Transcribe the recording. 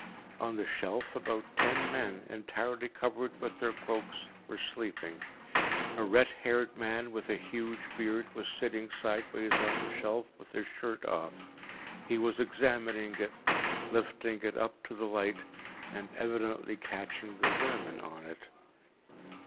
On the shelf about ten men, entirely covered with their cloaks, were sleeping. A red haired man with a huge beard was sitting sideways on the shelf, with his shirt off. He was examining it, lifting it up to the light, and evidently catching the vermin on it.